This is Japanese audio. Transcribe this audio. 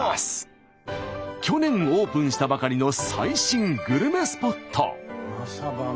去年オープンしたばかりの最新グルメスポット！